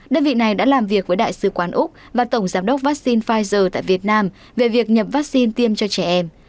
đơn vị này đã làm việc với đại sứ quán úc và tổng giám đốc vaccine pfizer tại việt nam về việc nhập vaccine tiêm cho trẻ em